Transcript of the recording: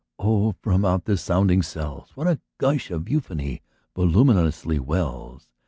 Oh, from out the sounding cells, What a gush of euphony voluminously wells!